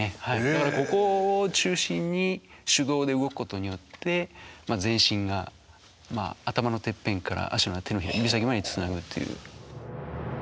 だからここを中心に主導で動くことによって全身が頭のてっぺんから足や手の指先までつなぐっていう。